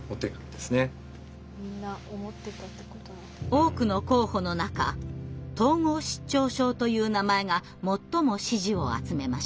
多くの候補の中統合失調症という名前が最も支持を集めました。